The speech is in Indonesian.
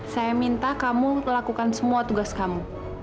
saya minta kamu lakukan semua tugas kamu